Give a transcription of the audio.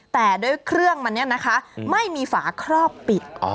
แต่ด้วยเครื่องมันเนี่ยนะคะไม่มีฝาครอบปิด